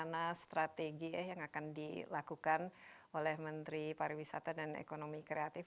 mengenai rencana strategi yang akan dilakukan oleh menteri pariwisata dan ekonomi kreatif